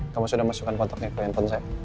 kamu sudah masukkan kontaknya ke lenton saya